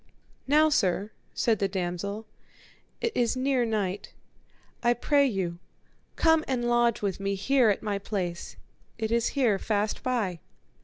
Now sir, said the damosel, it is near night; I pray you come and lodge with me here at my place, it is here fast by.